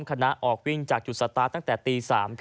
คณะออกวิ่งจากจุดสตาร์ทตั้งแต่ตี๓